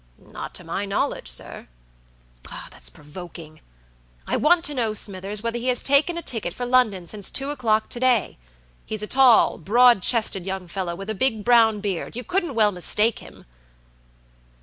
"Not to my knowledge, sir." "That's provoking! I want to know, Smithers, whether he has taken a ticket for London since two o'clock to day. He's a tall, broad chested young fellow, with a big brown beard. You couldn't well mistake him."